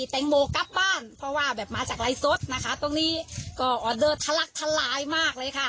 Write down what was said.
แตงโมกลับบ้านเพราะว่าแบบมาจากไลฟ์สดนะคะตรงนี้ก็ออเดอร์ทะลักทลายมากเลยค่ะ